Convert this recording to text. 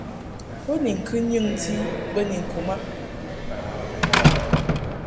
Bo ni ŋkɨ nyɨŋti bə ni ŋku mab.